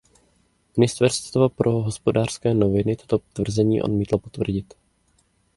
Ministerstvo pro Hospodářské noviny toto tvrzení odmítlo potvrdit.